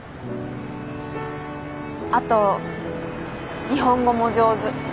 あと日本語も上手。